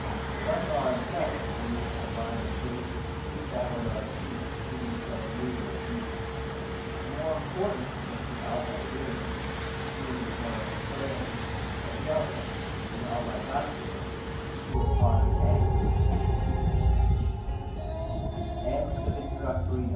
The Vicar himself is believed to combine the traits of two Savoyard priests whom Rousseau knew in his youth. The more important was the Abbe Gaime, whom he had known at Turin; the other, the Abbe Gatier, who had taught him at Annecy.